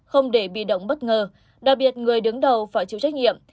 không để bị động bất ngờ đặc biệt người đứng đầu phải chịu trách nhiệm